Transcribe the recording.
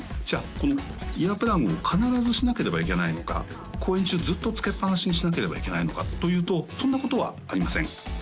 このイヤープラグを必ずしなければいけないのか公演中ずっと着けっぱなしにしなければいけないのかというとそんなことはありません